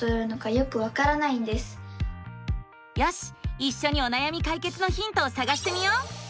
いっしょにおなやみ解決のヒントをさがしてみよう！